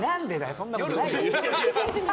そんなことないよ。